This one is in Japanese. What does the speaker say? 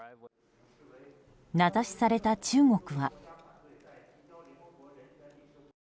名指しされた中国は。